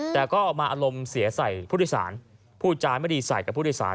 แต่ก็มาอารมณ์เสียใส่ผู้โดยสารพูดจาไม่ดีใส่กับผู้โดยสาร